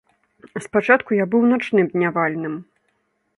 Спачатку я быў начным днявальным.